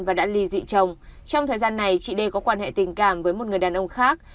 và đã ly dị chồng trong thời gian này chị đê có quan hệ tình cảm với một người đàn ông khác